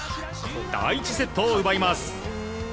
第１セットを奪います。